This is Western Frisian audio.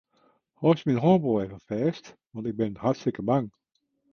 Hâldst myn hân wol even fêst, want ik bin hartstikke bang.